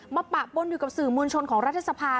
มาปะปล้นอยู่สื่อมนชนของราชสภาค